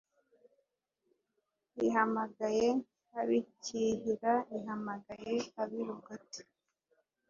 Ihamagaye ab’i Cyihira Ihamagaye ab’i Rugote,